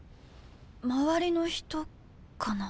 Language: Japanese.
周りの人かな？